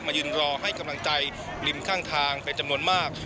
ยืนรอให้กำลังใจริมข้างทางเป็นจำนวนมาก